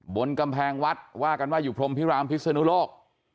บนกำแพงวัดว่ากันว่าอยู่พรมพิรามพิศนุโลก